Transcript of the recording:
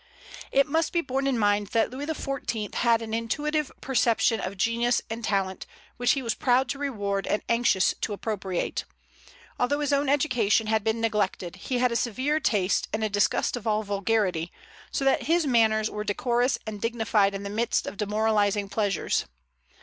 It must be borne in mind that Louis XIV. had an intuitive perception of genius and talent, which he was proud to reward and anxious to appropriate. Although his own education had been neglected, he had a severe taste and a disgust of all vulgarity, so that his manners were decorous and dignified in the midst of demoralizing pleasures.